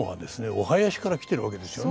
お囃子から来てるわけですよね。